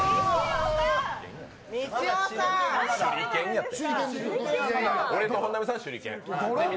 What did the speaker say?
手裏剣やって。